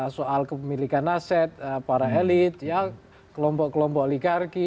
soal kepemilikan aset para elit kelompok kelompok oligarki